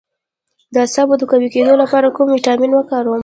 د اعصابو د قوي کیدو لپاره کوم ویټامین وکاروم؟